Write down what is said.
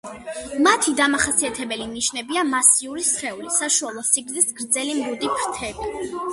მათი დამახასიათებელი ნიშნებია მასიური სხეული, საშუალო სიგრძის გრძელი მრუდი ფრთები.